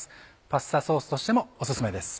パスタソースとしてもオススメです。